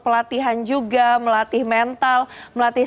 pelatihan juga melatih mental melatih